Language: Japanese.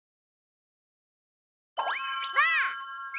ばあっ！